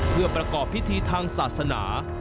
เพื่อประกอบพิธีทางศาสนา